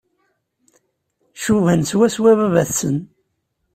Cuban swaswa baba-tsen.